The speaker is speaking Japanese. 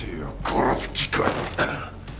殺す気か？